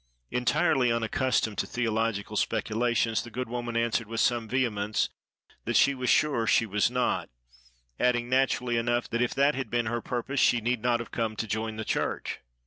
Entirely unaccustomed to theological speculations, the good woman answered, with some vehemence, that "she was sure she was not;" adding, naturally enough, that if that had been her purpose she need not have come to join the church.